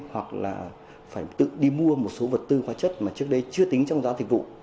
hoặc là phải tự đi mua một số vật tư hóa chất mà trước đây chưa tính trong giá dịch vụ